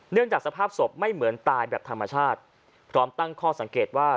จากสภาพศพไม่เหมือนตายแบบธรรมชาติพร้อมตั้งข้อสังเกตว่า